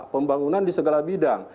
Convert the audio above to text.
pembangunan di segala bidang